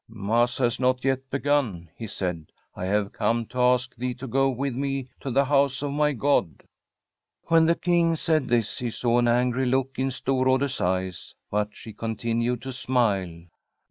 * Mass has not yet begun/ he said. * I have conte to ask thee to go with me to the house of mv God/ \\*hen the King said this he saw an angry look in Stv>rrade*s eyes, but she continued to smile.